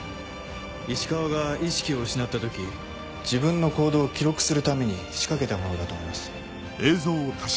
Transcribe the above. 石川が意識を失った時自分の行動を記録するために仕掛けたものだと思います。